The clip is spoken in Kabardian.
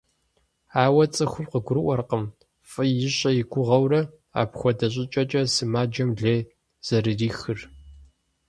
Ауэ цӀыхум къыгурыӀуэркъым, фӀы ищӀэ и гугъэурэ, апхуэдэ щӀыкӀэкӀэ сымаджэм лей зэрырихыр.